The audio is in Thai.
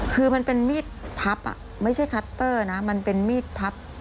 คือมันเป็นมีดพับไม่ใช่คัตเตอร์นะมันเป็นมีดพับ